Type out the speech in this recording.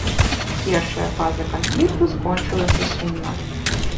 Першая фаза канфлікту скончылася сумна.